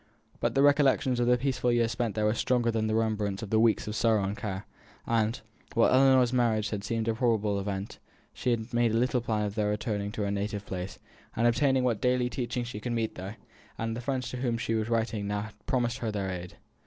But the recollections of the peaceful years spent there were stronger than the remembrance of the weeks of sorrow and care; and, while Ellinor's marriage had seemed a probable event, she had made many a little plan of returning to her native place, and obtaining what daily teaching she could there meet with, and the friends to whom she was now writing had promised her their aid.